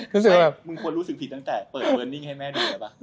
มึงควรรู้สึกผิดตั้งแต่เปิดเวอร์นิ่งให้แม่ดูหรือเปล่า